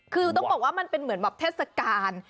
คือต้องบอกว่ามันเป็นเหมือนแบบเทศกาล